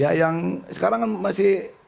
ya yang sekarang kan masih